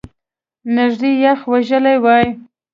نژدې یخ وژلی وای !